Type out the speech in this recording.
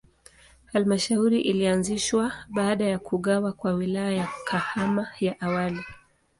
Halmashauri ilianzishwa baada ya kugawa kwa Wilaya ya Kahama ya awali.